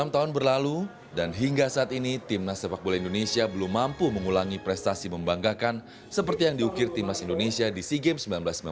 enam tahun berlalu dan hingga saat ini timnas sepak bola indonesia belum mampu mengulangi prestasi membanggakan seperti yang diukir timnas indonesia di sea games seribu sembilan ratus sembilan puluh dua